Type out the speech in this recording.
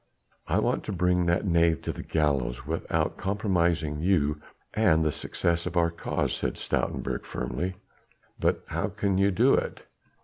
"I want to bring that knave to the gallows without compromising you and the success of our cause," said Stoutenburg firmly. "But how can you do it?"